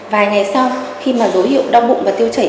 vài ngày sau khi mà dấu hiệu đau bụng và tiêu chảy